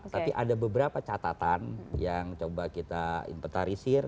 tapi ada beberapa catatan yang coba kita inventarisir